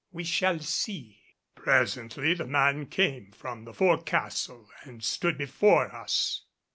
We shall see." Presently the man came from the fore castle and stood before us.